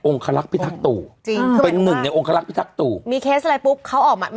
องค์คลักษณ์พิทักษ์ตู่จริงเป็นหนึ่งในองค์คลักษณ์พิทักษ์ตู่มีเคสอะไรปุ๊บเขาออกมา